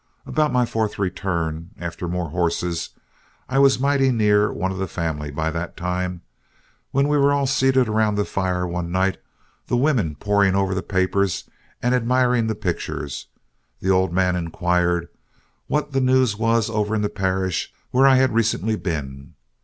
About my fourth return after more horses, I was mighty near one of the family by that time, when we were all seated around the fire one night, the women poring over the papers and admiring the pictures, the old man inquired what the news was over in the parish where I had recently been.